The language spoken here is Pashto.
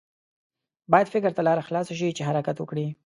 باید فکر ته لاره خلاصه شي چې حرکت وکړي.